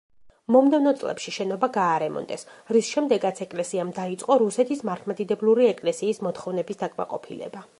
მომდევნო წლებში შენობა გაარემონტეს, რის შემდეგაც ეკლესიამ დაიწყო რუსეთის მართლმადიდებლური ეკლესიის მოთხოვნების დაკმაყოფილება.